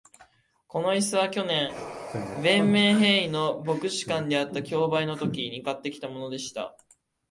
この椅子は、去年、ヴェンメンヘーイの牧師館であった競売のときに買ってきたものでした。